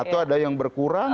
atau ada yang berkurang